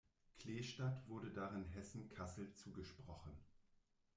Kleestadt wurde darin Hessen-Kassel zugesprochen.